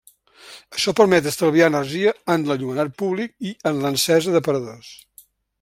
Això permet estalviar energia en l'enllumenat públic i en l'encesa d'aparadors.